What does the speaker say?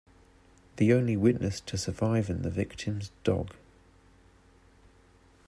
The only witness to survive in the victim's dog.